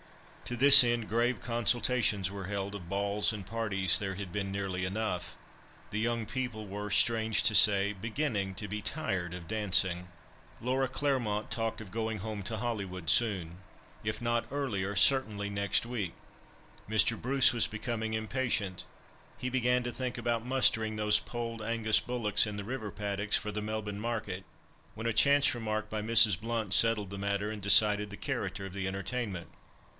To this end grave consultations were held; of balls and parties there had been nearly enough—the young people were, strange to say, beginning to be tired of dancing. Laura Claremont talked of going home to Hollywood soon. If not earlier, certainly next week. Mr. Bruce was becoming impatient; he began to think about mustering those polled Angus bullocks in the river paddocks for the Melbourne market, when a chance remark by Mrs. Blount settled the matter, and decided the character of the entertainment.